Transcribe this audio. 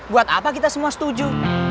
buat apa kita semua setuju